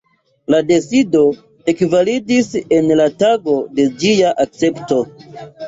La decido ekvalidis en la tago de ĝia akcepto.